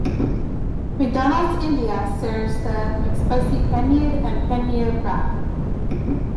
McDonald's India serves the McSpicy Paneer and Paneer Wrap.